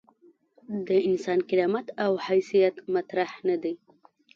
د انسان کرامت او حیثیت مطرح نه دي.